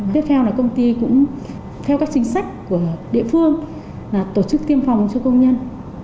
tiếp theo là công ty cũng theo các chính sách của địa phương là tổ chức tiêm phòng cho công nhân